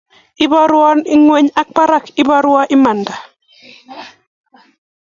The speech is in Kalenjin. Iborwoo ngweny ak barak, iborwo imanda